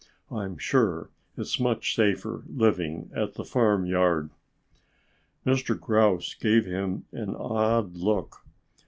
"I'm sure it's much safer living at the farmyard." Mr. Grouse gave him an odd look.